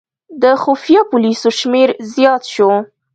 د خفیه پولیسو شمېر زیات شو.